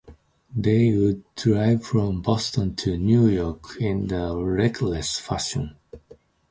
They would drive from Boston to New York in a reckless fashion.